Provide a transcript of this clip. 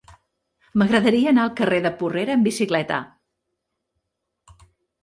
M'agradaria anar al carrer de Porrera amb bicicleta.